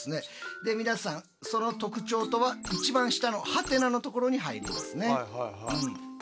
で皆さんその特徴とは一番下の「？」のところに入りますね。